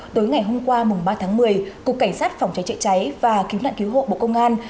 tối ngày hôm qua ba tháng một mươi cục cảnh sát phòng cháy chữa cháy và cứu nạn cứu hộ bộ công an